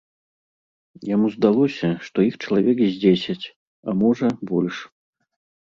Яму здалося, што іх чалавек з дзесяць, а можа, больш.